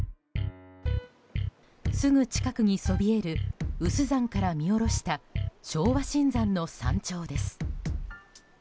すぐ近くにそびえる有珠山から見下ろした昭和新山の山頂です。